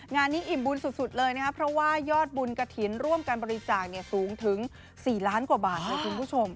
งานนี้อิ่มบุญสุดเลยนะครับเพราะว่ายอดบุญกระถิ่นร่วมการบริจาคสูงถึง๔ล้านกว่าบาทเลยคุณผู้ชม